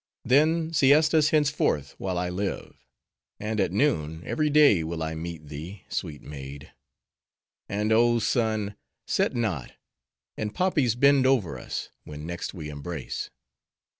Then siestas henceforth while I live. And at noon, every day will I meet thee, sweet maid! And, oh Sun! set not; and poppies bend over us, when next we embrace!"